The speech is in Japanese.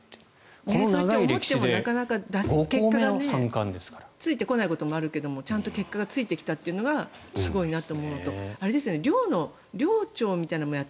それって思ってもなかなか結果がついてこないこともあるけどもちゃんと結果がついてきたっていうのがすごいと思うのと寮長みたいなのも。